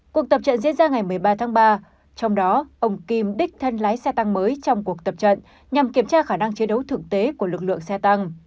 cuộc tập trận diễn ra ngày một mươi ba tháng ba trong đó ông kim đích thân lái xe tăng mới trong cuộc tập trận nhằm kiểm tra khả năng chiến đấu thực tế của lực lượng xe tăng